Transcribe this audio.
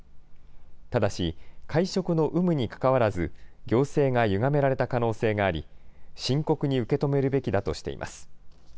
ただし、会食の有無にかかわらず、行政がゆがめられた可能性があり、深刻に受け止めるべきだとしています。